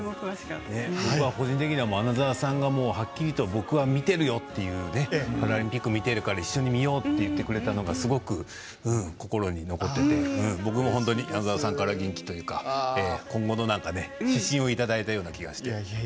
僕、個人的には穴澤さんが、はっきりと僕はパラリンピック見てるから一緒に見ようって言ってくれたのがすごく心に残ってて僕も、とても穴澤さんから元気というか今後の指針をいただいたような気がして。